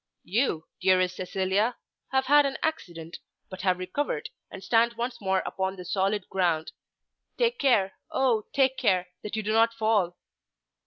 "You, dearest Cecilia, have had an accident, but have recovered and stand once more upon the solid ground. Take care, oh, take care, that you do not fall!"